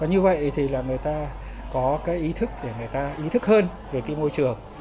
như vậy thì là người ta có cái ý thức để người ta ý thức hơn về cái môi trường